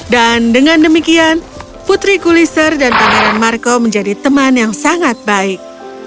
dan dengan demikian putri guliser dan pangeran marco menjadi teman yang sangat baik